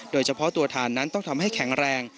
โดยเฉพาะตัวฐานนั้นต้องทำให้แข็งแรง